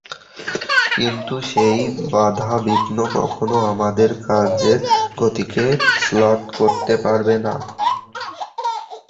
কিন্তু সেই বাধা-বিঘ্ন কখনো আমাদের কাজের গতিকে শ্লথ করতে পারবে না।